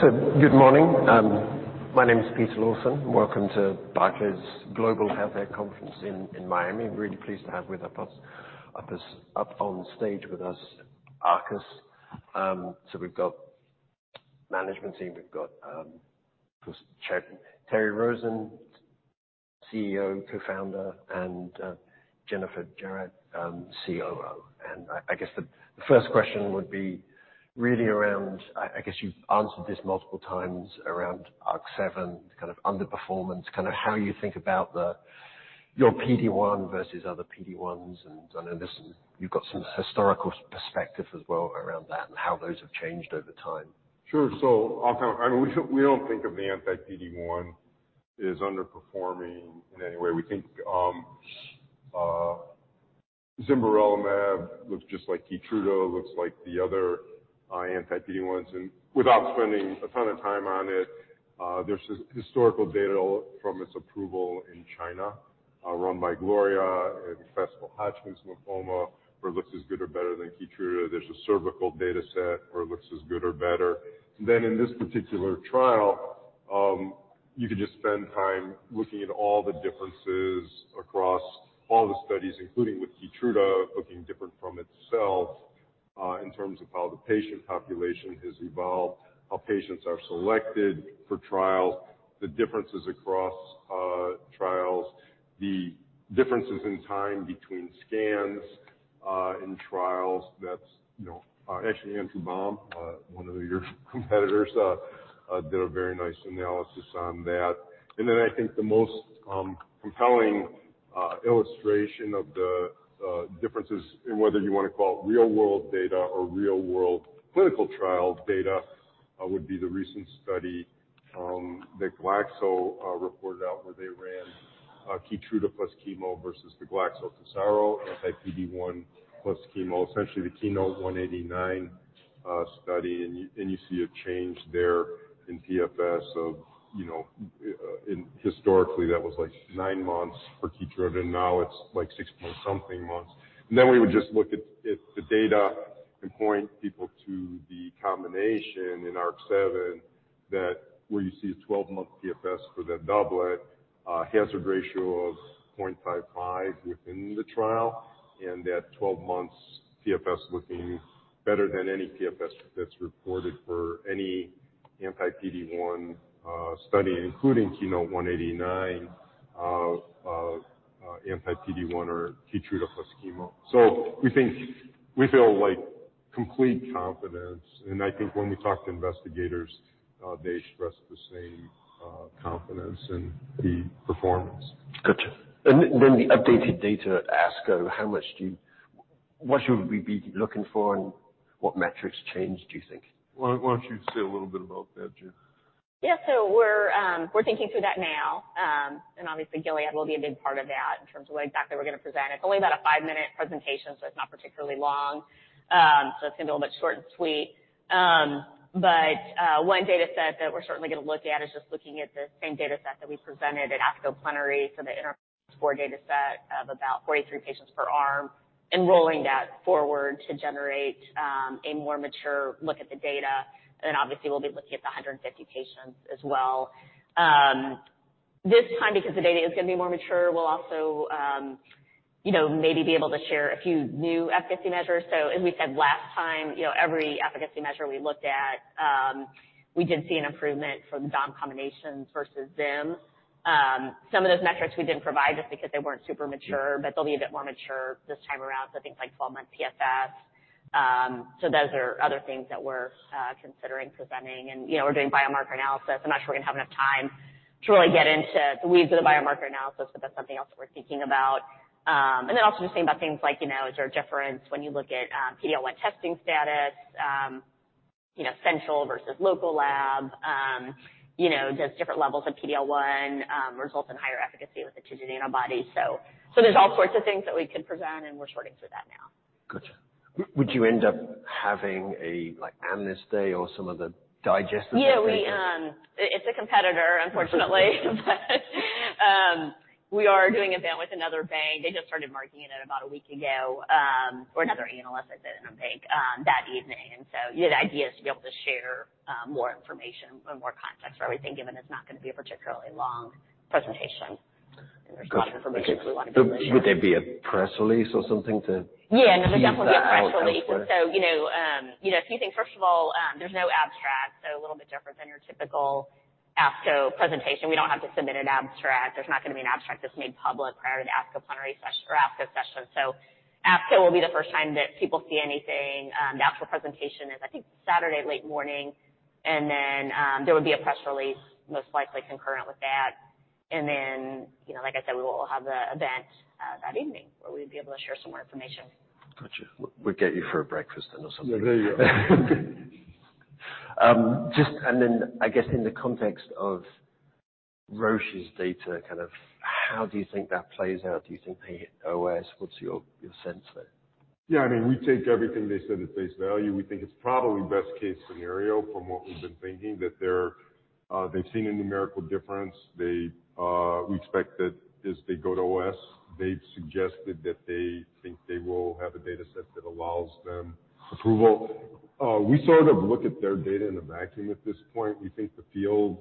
Good morning. My name is Peter Lawson. Welcome to Barclays Global Healthcare Conference in Miami. Really pleased to have with us up on stage with us, Arcus. We've got management team. We've got Terry Rosen, CEO and Co-founder, and Jennifer Jarrett, COO. I guess the first question would be really around, I guess you've answered this multiple times around ARC-7, kind of underperformance, kind of how you think about your PD-1 versus other PD-1s. I know this, you've got some historical perspective as well around that and how those have changed over time. Sure. I mean, we don't, we don't think of the anti-PD-1 as underperforming in any way. We think zimberelimab looks just like KEYTRUDA, looks like the other anti-PD-1s. Without spending a ton of time on it, there's this historical data all from its approval in China, run by Gloria in classical Hodgkin's lymphoma, where it looks as good or better than KEYTRUDA. There's a cervical data set where it looks as good or better. In this particular trial, you could just spend time looking at all the differences across all the studies, including with KEYTRUDA looking different from itself, in terms of how the patient population has evolved, how patients are selected for trials, the differences across trials, the differences in time between scans, in trials. That's, you know, actually Andrew Baum, one of your competitors, did a very nice analysis on that. I think the most compelling illustration of the differences in whether you want to call it real-world data or real-world clinical trial data, would be the recent study that Glaxo reported out where they ran KEYTRUDA plus chemo versus the Glaxo Tesaro anti-PD-1 plus chemo, essentially the KEYNOTE-189 study. You, and you see a change there in PFS of, you know, in historically, that was like nine months for KEYTRUDA, now it's like six point something months. We would just look at the data and point people to the combination in ARC-7 that where you see a 12-month PFS for that doublet, a hazard ratio of 0.55 within the trial, and that 12 months PFS looking better than any PFS that's reported for any anti-PD-1 study, including KEYNOTE-189 anti-PD-1 or KEYTRUDA plus chemo. We feel like complete confidence. I think when we talk to investigators, they express the same confidence in the performance. Gotcha. Then the updated data at ASCO, what should we be looking for, and what metrics changed, do you think? Why don't you say a little bit about that, Jen? Yeah. We're thinking through that now. Obviously, Gilead will be a big part of that in terms of what exactly we're gonna present. It's only about a five-minute presentation, so it's not particularly long. So it's gonna be a little bit short and sweet. One data set that we're certainly gonna look at is just looking at the same data set that we presented at ASCO Plenary. The interim four data set of about 43 patients per arm and rolling that forward to generate a more mature look at the data. Then obviously, we'll be looking at the 150 patients as well. This time, because the data is gonna be more mature, we'll also, you know, maybe be able to share a few new efficacy measures. As we said last time, you know, every efficacy measure we looked at, we did see an improvement from dom combinations versus zim. Some of those metrics we didn't provide just because they weren't super mature, but they'll be a bit more mature this time around. Things like 12-month PFS. Those are other things that we're considering presenting. You know, we're doing biomarker analysis. I'm not sure we're gonna have enough time to really get into the weeds of the biomarker analysis, but that's something else that we're thinking about. Also just thinking about things like, you know, is there a difference when you look at PD-L1 testing status, you know, central versus local lab? You know, does different levels of PD-L1 result in higher efficacy with a TIGIT antibody? There's all sorts of things that we could present, and we're sorting through that now. Gotcha. Would you end up having a, like, amnesty or some other? We, it's a competitor, unfortunately. We are doing event with another bank. They just started marketing it about a week ago, or another analyst I said in a bank, that evening. The idea is to be able to share more information or more context for everything, given it's not gonna be a particularly long presentation. There's a lot of information that we wanna. Would there be a press release or something? Yeah. No, there'll definitely be a press release. You know, you know, a few things. First of all, there's no abstract, so a little bit different than your typical ASCO presentation. We don't have to submit an abstract. There's not gonna be an abstract that's made public prior to the ASCO Plenary or ASCO session. ASCO will be the first time that people see anything. The actual presentation is, I think, Saturday, late morning. Then, there would be a press release, most likely concurrent with that. Then, you know, like I said, we will have the event that evening, where we'd be able to share some more information. Gotcha. We'll get you for a breakfast then or something. Yeah, there you go. Just I guess in the context of Roche's data, kind of how do you think that plays out? Do you think they hit OS? What's your sense there? Yeah, I mean, we take everything they said at face value. We think it's probably best-case scenario from what we've been thinking, that they've seen a numerical difference. They expect that as they go to OS, they've suggested that they think they will have a data set that allows them approval. We sort of look at their data in a vacuum at this point. We think the field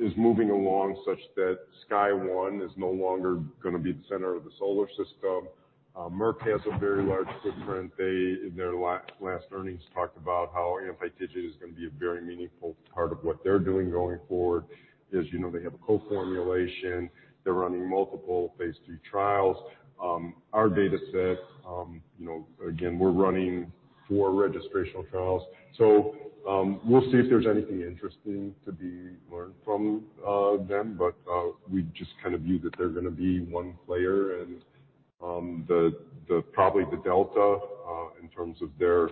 is moving along such that SKYSCRAPER-01 is no longer going to be the center of the solar system. Merck has a very large footprint. They, in their last earnings, talked about how anti-TIGIT is going to be a very meaningful part of what they're doing going forward. As you know, they have a co-formulation. They're running multiple phase III trials. Our data set, you know, again, we're running four registrational trials. We'll see if there's anything interesting to be learned from them, but we just kind of view that they're gonna be one player and the probably the delta in terms of their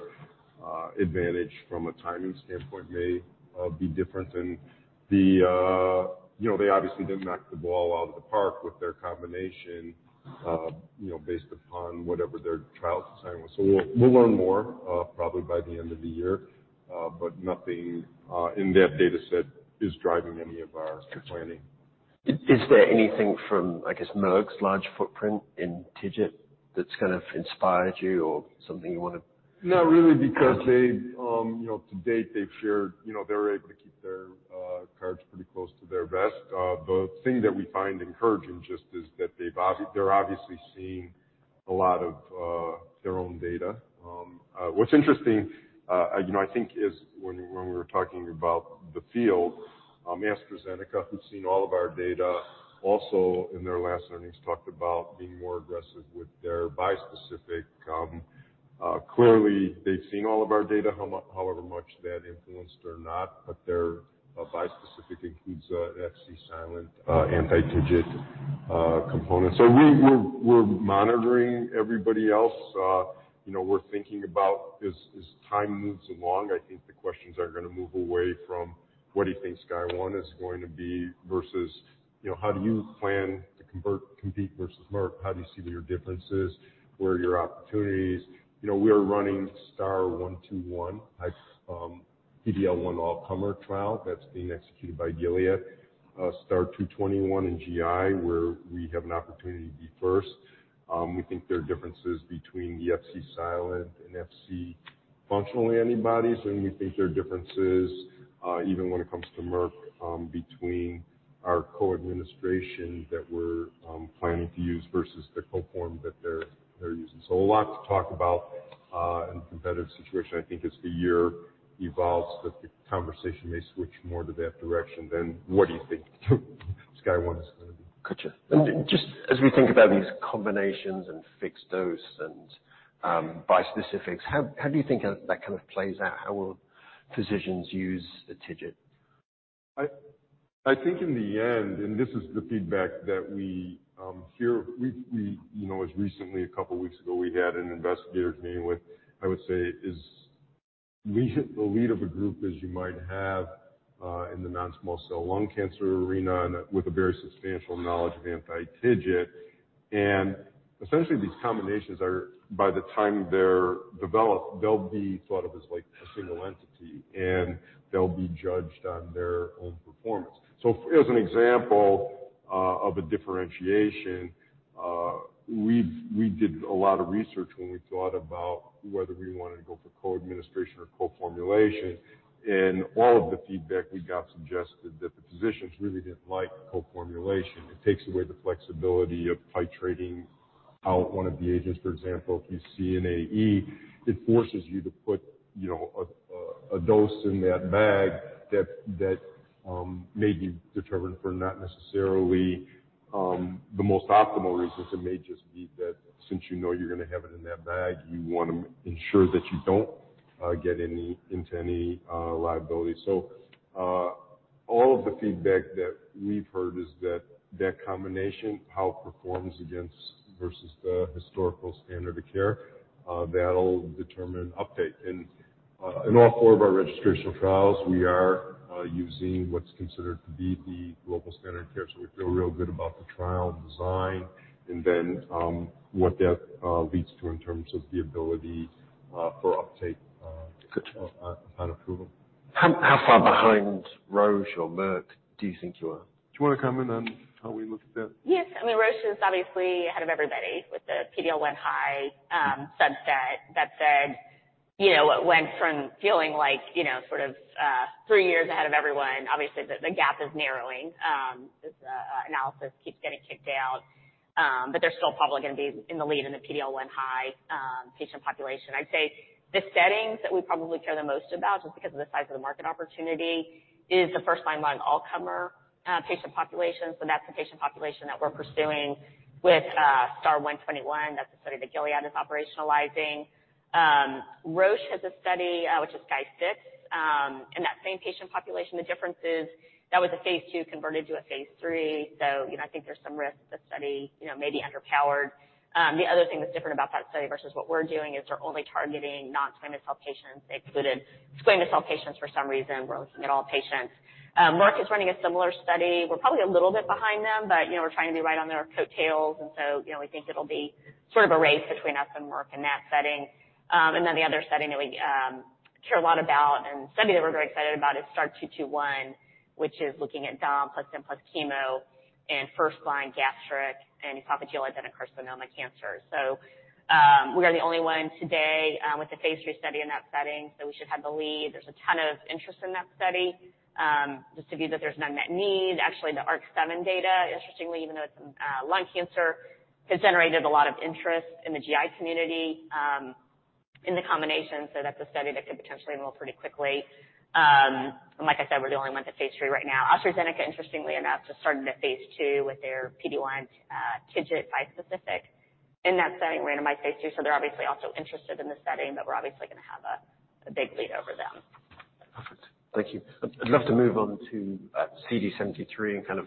advantage from a timing standpoint may be different than the. You know, they obviously didn't knock the ball out of the park with their combination, you know, based upon whatever their trial design was. We'll learn more probably by the end of the year, but nothing in that data set is driving any of our planning. Is there anything from, I guess, Merck's large footprint in TIGIT that's kind of inspired you or something you wanna-? Not really, because they've, you know, to date, they've shared, you know, they're able to keep their cards pretty close to their vest. The thing that we find encouraging just is that they're obviously seeing a lot of their own data. What's interesting, you know, I think is when we were talking about the field, AstraZeneca, who's seen all of our data, also in their last earnings, talked about being more aggressive with their bispecific. Clearly they've seen all of our data, however much that influenced or not, but their bispecific includes a Fc-silent, anti-TIGIT, component. We're monitoring everybody else. You know, we're thinking about as time moves along, I think the questions are gonna move away from what do you think Sky One is going to be versus, you know, how do you plan to compete versus Merck? How do you see your differences? Where are your opportunities? You know, we are running STAR-121 PD-L1 all-comer trial that's being executed by Gilead. STAR-221 in GI, where we have an opportunity to be first. We think there are differences between the Fc-silent and Fc-functional antibodies, and we think there are differences, even when it comes to Merck, between our co-administration that we're planning to use versus the co-form that they're using. A lot to talk about in the competitive situation. I think as the year evolves that the conversation may switch more to that direction than what do you think Sky One is gonna be? Gotcha. Just as we think about these combinations and fixed dose and bispecifics, how do you think that kind of plays out? How will physicians use the TIGIT? I think in the end, this is the feedback that we hear. We, you know, as recently a couple weeks ago, we had an investigator meeting with, I would say is we hit the lead of a group as you might have in the non-small cell lung cancer arena and with a very substantial knowledge of anti-TIGIT. Essentially these combinations are by the time they're developed, they'll be thought of as like a single entity, and they'll be judged on their own performance. As an example, of a differentiation, we did a lot of research when we thought about whether we wanted to go for co-administration or co-formulation. All of the feedback we got suggested that the physicians really didn't like co-formulation. It takes away the flexibility of titrating out one of the agents. For example, if you see an AE, it forces you to put, you know, a dose in that bag that may be determined for not necessarily the most optimal reasons. It may just be that since you know you're gonna have it in that bag, you wanna ensure that you don't into any liability. All of the feedback that we've heard is that combination, how it performs against versus the historical standard of care, that'll determine uptake. In all four of our registrational trials, we are using what's considered to be the global standard of care. We feel real good about the trial design and then what that leads to in terms of the ability for uptake. Gotcha. on approval. How far behind Roche or Merck do you think you are? Do you wanna comment on how we look at that? Yes. I mean, Roche is obviously ahead of everybody with the PD-L1 high subset. That said, you know, it went from feeling like, you know, sort of three years ahead of everyone. Obviously, the gap is narrowing as the analysis keeps getting kicked out. But they're still probably gonna be in the lead in the PD-L1 high patient population. I'd say the settings that we probably care the most about, just because of the size of the market opportunity, is the first-line lung all-comer patient population. That's the patient population that we're pursuing with STAR-121. That's the study that Gilead is operationalizing. Roche has a study, which is SKYSCRAPER-06 in that same patient population. The difference is that was a phase II converted to a phase III. You know, I think there's some risk the study, you know, may be underpowered. The other thing that's different about that study versus what we're doing is they're only targeting non-squamous cell patients. They excluded squamous cell patients for some reason. We're looking at all patients. Merck is running a similar study. We're probably a little bit behind them, but you know, we're trying to be right on their coattails, you know, we think it'll be sort of a race between us and Merck in that setting. The other setting that we care a lot about and study that we're very excited about is STAR-221, which is looking at dom plus M plus chemo and first-line gastric and esophageal adenocarcinoma cancer. We are the only one today with the phase III study in that setting. We should have the lead. There's a ton of interest in that study, just to view that there's unmet needs. Actually, the ARC-7 data, interestingly, even though it's in lung cancer, has generated a lot of interest in the GI community in the combination. That's a study that could potentially enroll pretty quickly. And like I said, we're the only one with the phase III right now. AstraZeneca, interestingly enough, just started a phase II with their PD-1 TIGIT bispecific in that setting, randomized phase II. They're obviously also interested in the setting, but we're obviously gonna have a big lead over them. Perfect. Thank you. I'd love to move on to CD73 and kind of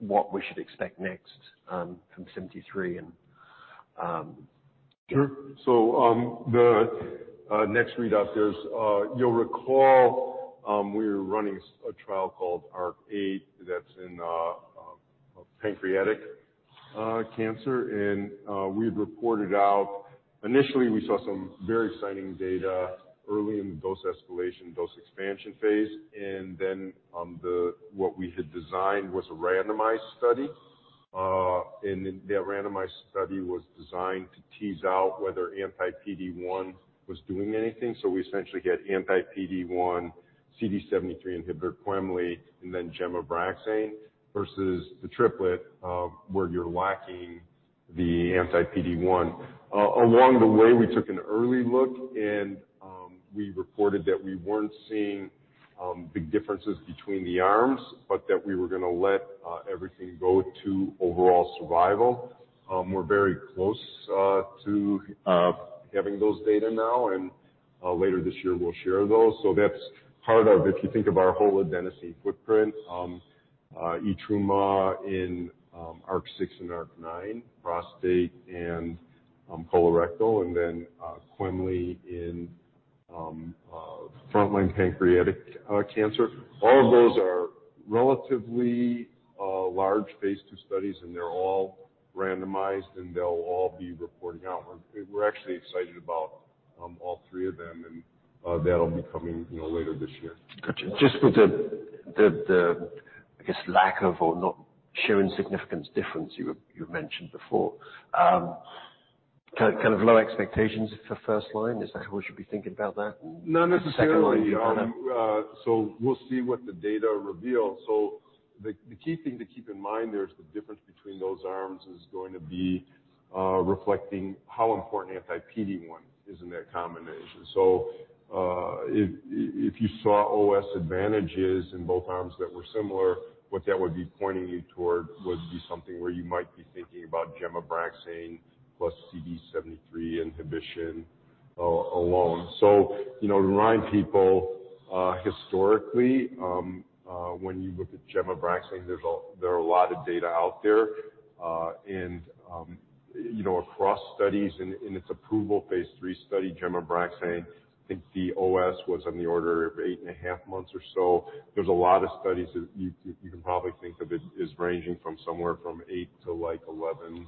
what we should expect next, from CD73. Sure. The next read out there's, you'll recall, we were running a trial called ARC-8 that's in pancreatic cancer. We've reported out initially we saw some very exciting data early in the dose escalation, dose expansion phase. What we had designed was a randomized study. That randomized study was designed to tease out whether anti-PD-1 was doing anything. We essentially get anti-PD-1, CD73 inhibitor, quemliclustat, and then gemcitabine versus the triplet, where you're lacking the anti-PD-1. Along the way, we took an early look and we reported that we weren't seeing big differences between the arms, but that we were gonna let everything go to OS. We're very close to having those data now, and later this year we'll share those. That's part of if you think of our whole adenosine footprint, etrumadenant in ARC-6 and ARC-9, prostate and colorectal, and then, quemliclustat in frontline pancreatic cancer. All of those are relatively large phase II studies, and they're all randomized, and they'll all be reporting out. We're actually excited about all three of them, and that'll be coming, you know, later this year. Gotcha. Just with the, I guess, lack of or not showing significance difference you mentioned before, kind of low expectations for first line. Is that how we should be thinking about that? Not necessarily. The second line you have- We'll see what the data reveals. The key thing to keep in mind there is the difference between those arms is going to be reflecting how important anti-PD-1 is in that combination. If you saw OS advantages in both arms that were similar, what that would be pointing you toward would be something where you might be thinking about gemcitabine plus CD73 inhibition alone. You know, to remind people, historically, when you look at gemcitabine, there are a lot of data out there, and, you know, across studies in its approval phase III study, gemcitabine, I think the OS was on the order of eight and a half months or so. There's a lot of studies that you can probably think of it as ranging from somewhere from eight to like 11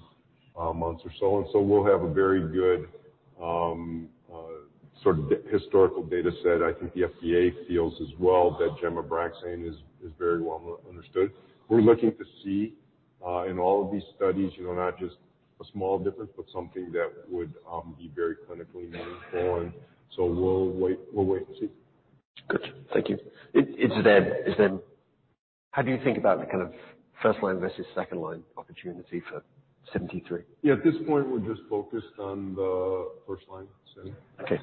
months or so. We'll have a very good historical data set. I think the FDA feels as well that gemcitabine is very well understood. We're looking to see in all of these studies, you know, not just a small difference, but something that would be very clinically meaningful. We'll wait and see. Gotcha. Thank you. It's then how do you think about the kind of first line versus second line opportunity for CD73? Yeah. At this point, we're just focused on the first line setting. Okay.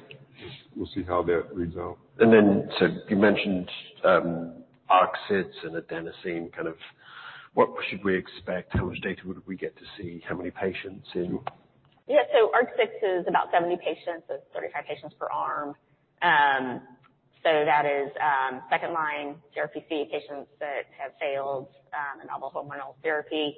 We'll see how that reads out. You mentioned ARC-6 and adenosine kind of what should we expect? How much data would we get to see? How many patients in? Yeah. ARC-6 is about 70 patients. That's 35 patients per arm. That is second line CRPC patients that have failed a novel hormonal therapy.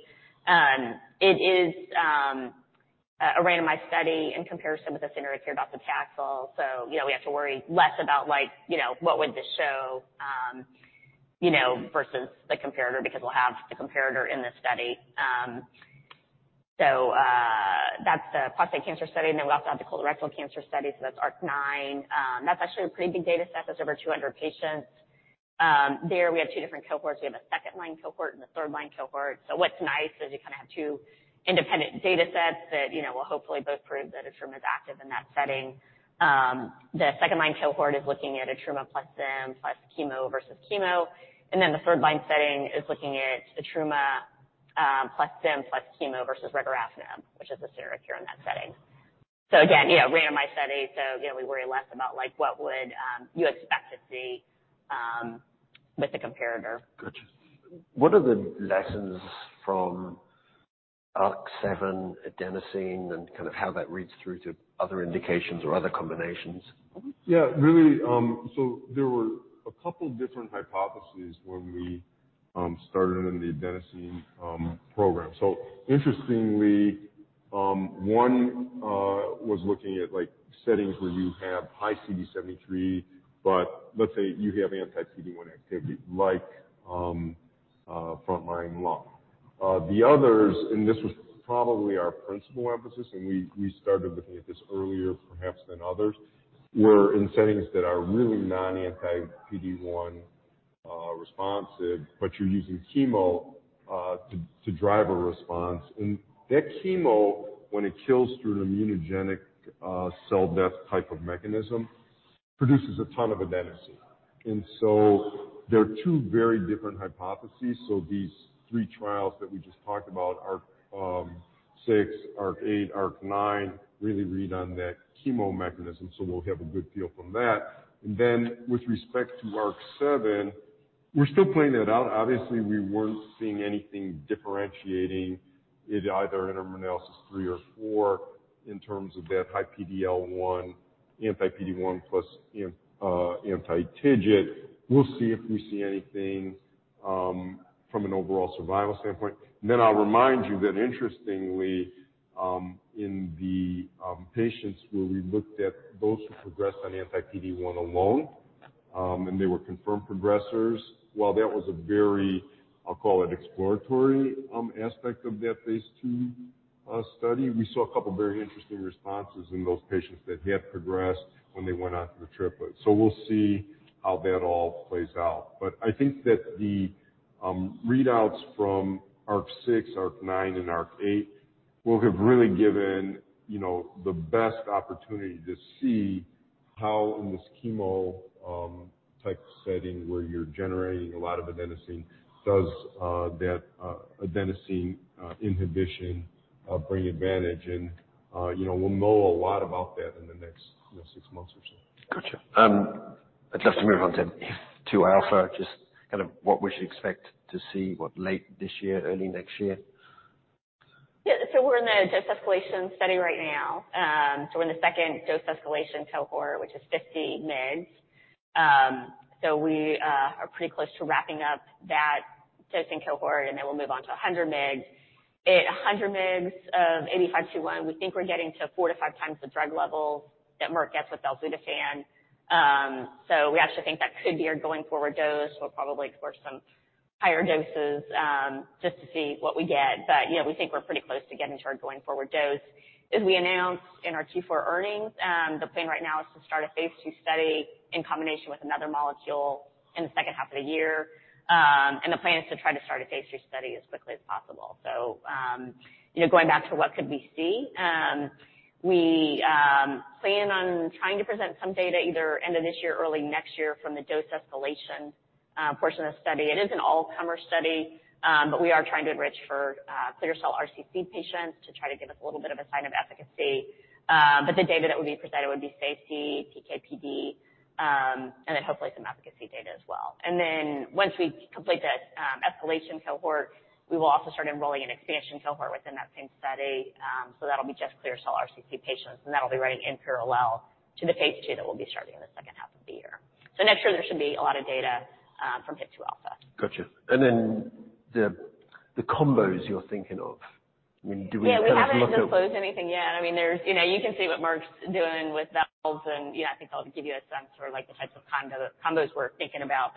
It is a randomized study in comparison with a standard care Docetaxel. You know, we have to worry less about like, you know, what would this show, you know, versus the comparator because we'll have the comparator in the study. That's the prostate cancer study. We also have the colorectal cancer study, that's ARC-9. That's actually a pretty big data set. That's over 200 patients. There we have two different cohorts. We have a second-line cohort and a third-line cohort. What's nice is you kinda have two independent data sets that, you know, will hopefully both prove that Etrumadenant is active in that setting. The second-line cohort is looking at etrumadenant plus SIM plus chemo versus chemo. The third-line setting is looking at etrumadenant plus SIM plus chemo versus regorafenib, which is a standard care in that setting. Again, randomized study. You know, we worry less about, like, what would you expect to see with the comparator. Gotcha. What are the lessons from ARC-7 adenosine and kind of how that reads through to other indications or other combinations? Really, there were a couple different hypotheses when we started in the adenosine program. Interestingly, one was looking at, like, settings where you have high CD73, but let's say you have anti-PD-1 activity like frontline lung. The others, and this was probably our principal emphasis, and we started looking at this earlier perhaps than others, were in settings that are really non-anti-PD-1 responsive, but you're using chemo to drive a response. That chemo, when it kills through an immunogenic cell death type of mechanism, produces a ton of adenosine. There are two very different hypotheses. These three trials that we just talked about, ARC-6, ARC-8, ARC-9, really read on that chemo mechanism, so we'll have a good feel from that. With respect to ARC-7, we're still playing that out. Obviously, we weren't seeing anything differentiating it either interim analysis three or four in terms of that high PD-L1, anti-PD-1 plus, anti-TIGIT. We'll see if we see anything from an overall survival standpoint. I'll remind you that interestingly, in the patients where we looked at those who progressed on anti-PD-1 alone, and they were confirmed progressers, while that was a very, I'll call it exploratory, aspect of that phase II study, we saw a couple of very interesting responses in those patients that had progressed when they went on to the triplet. We'll see how that all plays out. I think that the readouts from ARC-6, ARC-9, and ARC-8 will have really given, you know, the best opportunity to see how in this chemo type setting where you're generating a lot of adenosine does that adenosine inhibition bring advantage. You know, we'll know a lot about that in the next, you know, six months or so. Gotcha. I'd love to move on then to HIF-2α, just kind of what we should expect to see, what late this year, early next year. We're in the dose escalation study right now. We're in the second dose escalation cohort, which is 50 migs. We are pretty close to wrapping up that dosing cohort, and then we'll move on to 100 migs. At 100 migs of AB521, we think we're getting to 4x-5x the drug levels that Merck gets with belzutifan. We actually think that could be our going forward dose. We'll probably explore some higher doses, just to see what we get. But, you know, we think we're pretty close to getting to our going forward dose. As we announced in our Q4 earnings, the plan right now is to start a phase II study in combination with another molecule in the second half of the year. The plan is to try to start a phase III study as quickly as possible. You know, going back to what could we see, we plan on trying to present some data either end of this year, early next year from the dose escalation portion of the study. It is an all-comer study, we are trying to enrich for clear cell RCC patients to try to give us a little bit of a sign of efficacy. The data that would be presented would be safety, PK/PD, and then hopefully some efficacy data as well. Once we complete the escalation cohort, we will also start enrolling an expansion cohort within that same study. That'll be just clear cell RCC patients, and that'll be running in parallel to the phase II that we'll be starting in the second half of the year. Next year there should be a lot of data from HIF-2α. Gotcha. Then the combos you're thinking of, I mean? Yeah, we haven't disclosed anything yet. I mean, you know, you can see what Merck doing with those and, you know, I think that'll give you a sense for, like, the types of combos we're thinking about.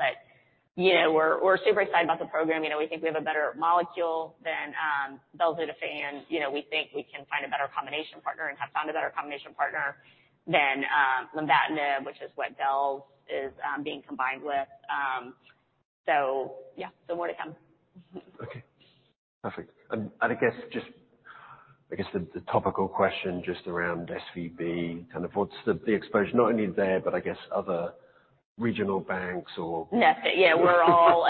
You know, we're super excited about the program. You know, we think we have a better molecule than belzutifan. You know, we think we can find a better combination partner and have found a better combination partner than lenvatinib, which is what Bel is being combined with. Yeah, more to come. Okay. Perfect. I guess just, the topical question just around SVB, kind of what's the exposure not only there, but I guess other regional banks or? Nothing. Yeah. We're all.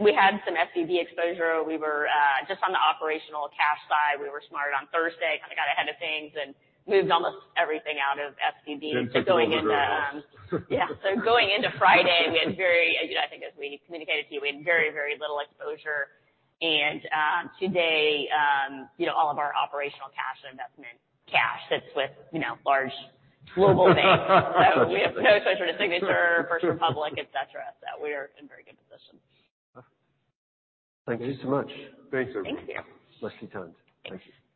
We had some SVB exposure. We were just on the operational cash side, we were smart on Thursday, kind of got ahead of things and moved almost everything out of SVB to going into. Took all of ours out. Yeah. Going into Friday, we had very little exposure. You know, I think as we communicated to you, we had very little exposure. Today, you know, all of our operational cash and investment cash sits with, you know, large global banks. We have no exposure to Signature, First Republic, et cetera. We are in very good position. Thank you so much. Great. Thank you. Bless you tons. Thank you.